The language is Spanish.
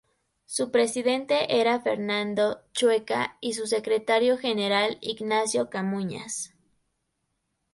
Su presidente era Fernando Chueca y su secretario general Ignacio Camuñas.